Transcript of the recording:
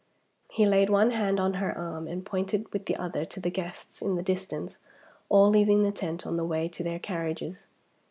He laid one hand on her arm, and pointed with the other to the guests in the distance, all leaving the tent on the way to their carriages.